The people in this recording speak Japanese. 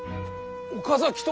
岡崎と！